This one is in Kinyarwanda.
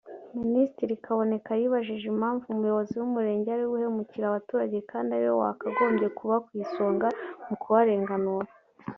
Minisitiri Kaboneka yibajije impamvu Umuyobozi w’umurenge ariwe uhemukira abaturage kandi ariwe wakagombye kuba ku isonga mu kubarenganura